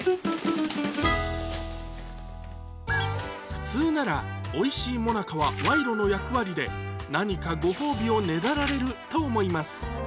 普通ならおいしいモナカはワイロの役割で何かご褒美をねだられると思います